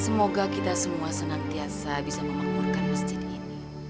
semoga kita semua senantiasa bisa memakmurkan masjid ini